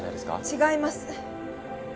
違います。